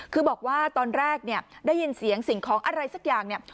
คือบอกว่าตอนแรกเนี่ยได้ยินเสียงสิ่งของอะไรสักอย่างเนี่ย